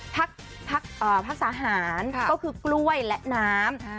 พักสาหารก็คือกล้วยและน้ำ